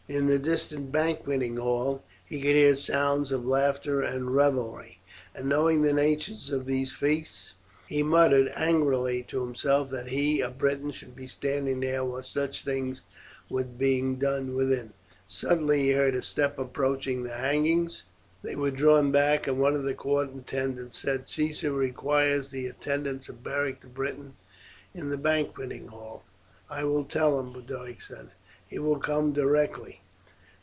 In the distant banqueting hall he could hear sounds of laughter and revelry, and knowing the nature of these feasts he muttered angrily to himself that he, a Briton, should be standing there while such things were being done within. Suddenly he heard a step approaching the hangings. They were drawn back, and one of the court attendants said, "Caesar requires the attendance of Beric the Briton in the banqueting hall." "I will tell him," Boduoc said. "He will come directly."